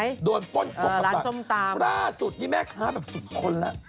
หายร้านส้มตามภรราสุทธิแม่ค้าแบบสุดคนละ